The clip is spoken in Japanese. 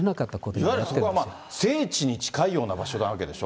いわゆるそこは聖地に近いような場所なわけでしょ。